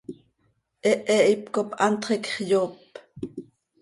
Hehe hipcop hantx iicx yoop.